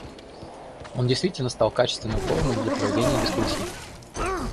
Он действительно стал качественным форумом для проведения дискуссий.